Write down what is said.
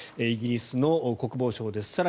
イギリスの国防省です。